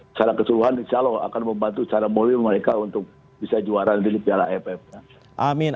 secara keseluruhan di calon akan membantu secara mulia mereka untuk bisa juara di piara fm amin